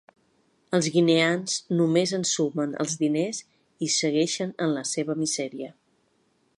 Els guineans només ensumen els diners i segueixen en la seva misèria.